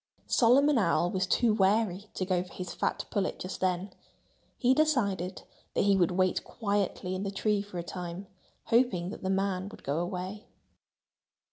Solomon Owl was too wary to go for his fat pullet just then. He decided that he would wait quietly in the tree for a time, hoping that the man would go away.